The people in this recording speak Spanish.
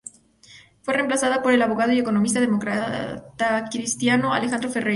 Fue reemplazada por el abogado y economista democratacristiano Alejandro Ferreiro.